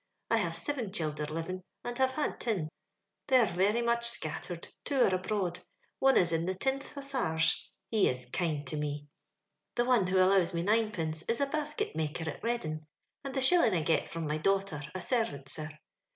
I have siven childer lirin', and have had tin. They are very much scattered : two are abroad ; one is in tlie tinth Hussars — he is kind to me. The one who allows me ninepence is a ba. ^ket maker at Treading ; and the shillin' I get from my daughter, a servant, sir.